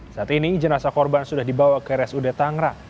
saat ini jenazah korban sudah dibawa ke res ude tangra